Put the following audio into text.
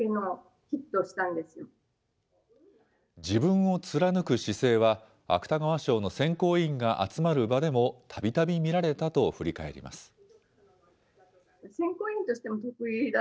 自分を貫く姿勢は、芥川賞の選考委員が集まる場でもたびたび見られたと振り返ります。